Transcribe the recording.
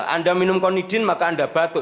anda minum konidin maka anda batuk